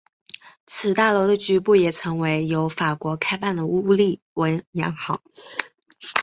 此大楼的局部也曾为由法国人开办的乌利文洋行。